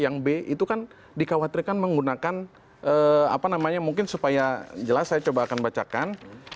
yang b itu kan dikhawatirkan menggunakan apa namanya mungkin supaya jelas saya coba akan bacakan